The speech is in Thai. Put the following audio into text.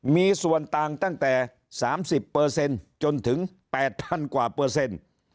มีส่วนต่างตั้งแต่สามสิบเปอร์เซ็นต์จนถึงแปดพันกว่าเปอร์เซ็นต์